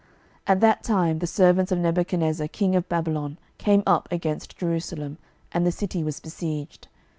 12:024:010 At that time the servants of Nebuchadnezzar king of Babylon came up against Jerusalem, and the city was besieged.